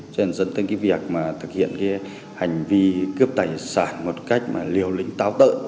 cho nên dẫn tới cái việc mà thực hiện cái hành vi cướp tài sản một cách mà liều lĩnh táo tợn